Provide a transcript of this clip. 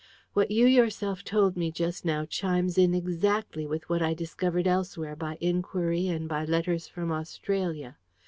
What you yourself told me just now chimes in exactly with what I discovered elsewhere, by inquiry and by letters from Australia.